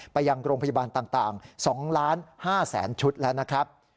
ไปยังโรงพยาบาลต่าง๒๕๐๐๐ชุดแล้วนะครับ